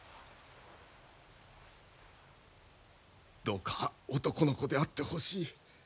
どうか男の子であってほしい。